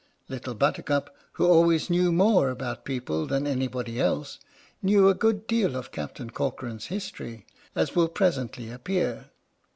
Little Buttercup, who always knew more about people than anybody else, knew a good deal 01 Captain Corcoran's history, as will presently appear.